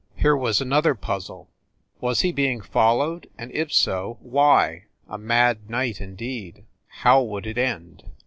Here was another puzzle ! Was he being followed, and if so, why? A mad night, indeed! How would it end?